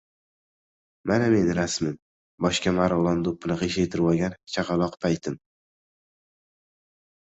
Mana meni rasmim, boshga margʻilon doʻppini qiyshaytirvogan chaqaloq paytim.